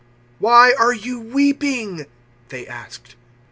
"Why are you weeping?" they asked.